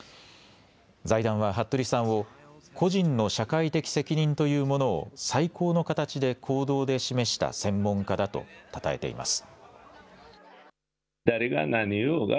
財団は服部さんを個人の社会的責任というものを最高の形で行動で示した専門家だとたたえています。